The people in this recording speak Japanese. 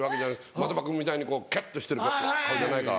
的場君みたいにきゅっとしてる顔じゃないから。